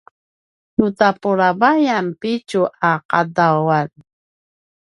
nu tapulavayan pitju a qadawan